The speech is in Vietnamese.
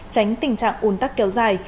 tránh tình trạng un tắc kéo dài